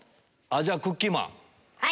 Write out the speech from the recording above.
じゃあクッキーマン。